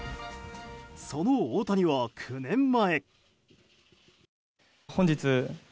その大谷は９年前。